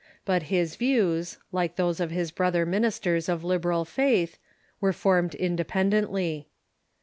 But his views, like those of his brother ministers of the liberal faith, were formed independently.